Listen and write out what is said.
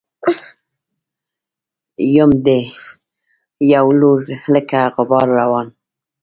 يم دې په يو لور لکه غبار روان